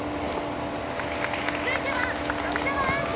続いては飲みながランチ！